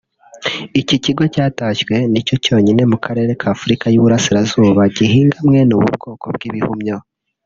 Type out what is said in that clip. Iki kigo cyatashywe nicyo cyonyine mu karere ka Afurika y'iburasirazuba gihinga mwene ubu bwoko bw'ibihumyo